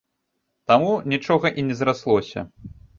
Таму нічога і не зраслося.